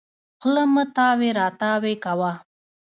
خوله مه تاوې راو تاوې کوه.